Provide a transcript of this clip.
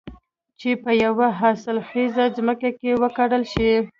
چې په يوه حاصل خېزه ځمکه کې وکرل شي.